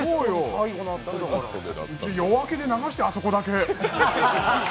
「夜明け」で流して、あそこだけ。